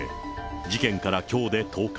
事件からきょうで１０日。